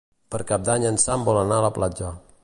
Per Cap d'Any en Sam vol anar a la platja.